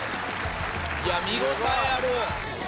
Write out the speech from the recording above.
いや見応えある！